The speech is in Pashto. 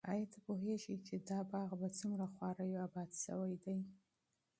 ایا ته پوهېږې چې دا باغ په څومره خواریو اباد شوی دی؟